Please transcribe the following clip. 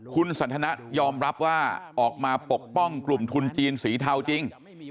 คุณสันทนะยอมรับว่าออกมาปกป้องกลุ่มทุนจีนสีเทาจริง